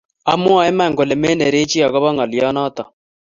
Amwoe iman kole manerechii akoba ngoliot noto